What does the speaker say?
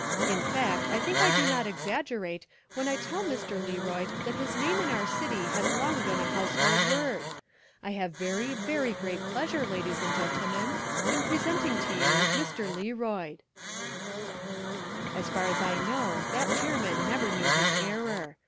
In fact I think I do not exaggerate when I tell Mr. Learoyd that his name in our city has long been a household word. I have very, very great pleasure, ladies and gentlemen, in introducing to you Mr. Learoyd." As far as I know that chairman never knew his error.